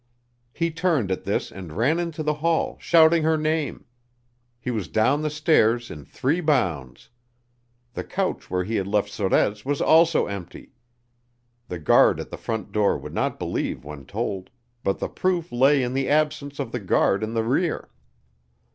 He turned at this and ran into the hall, shouting her name. He was down the stairs in three bounds. The couch where he had left Sorez was also empty. The guard at the front door would not believe when told; but the proof lay in the absence of the guard in the rear.